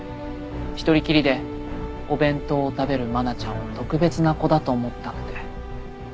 一人きりでお弁当を食べる愛菜ちゃんを特別な子だと思ったって。